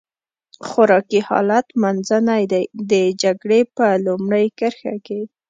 خوراکي حالت منځنی دی، د جګړې په لومړۍ کرښه کې.